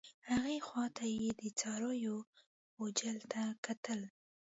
هغې خوا ته یې د څارویو غوجل ته کتل.